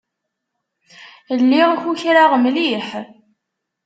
Lliɣ kukraɣ mliḥ.